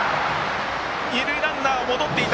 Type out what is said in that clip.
二塁ランナー戻っていた。